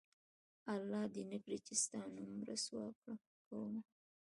الله دې نه کړي چې ستا نوم رسوا کومه